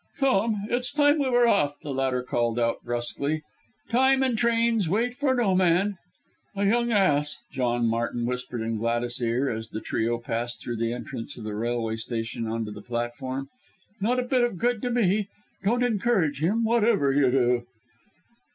"Come, it's time we were off," the latter called out brusquely, "time and trains wait for no man!" "A young ass!" John Martin whispered in Gladys' ear, as the trio passed through the entrance of the railway station on to the platform, "not a bit of good to me. Don't encourage him, whatever you do!"